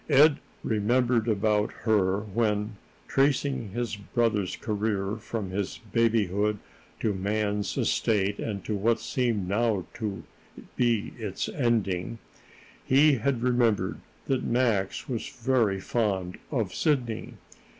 Ed remembered about her when, tracing his brother's career from his babyhood to man's estate and to what seemed now to be its ending, he had remembered that Max was very fond of Sidney.